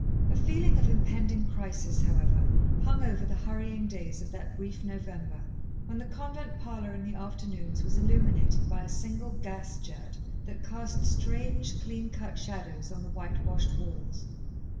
A feeling of impending crisis, however, hung over the hurrying days of that brief November, when the convent parlour in the afternoons was illuminated by a single gas jet that cast strange, clean cut shadows on the white washed walls.